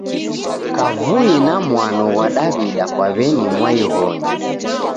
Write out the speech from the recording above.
Kavui na mwano ghwa Daw'ida kwa w'eni mwaighonyi.